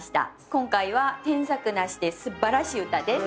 今回は添削無しですばらしい歌です。